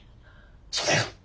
そうだよ。